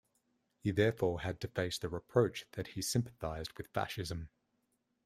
He therefore had to face the reproach that he sympathized with fascism.